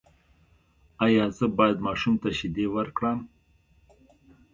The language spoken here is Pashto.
ایا زه باید ماشوم ته شیدې ورکړم؟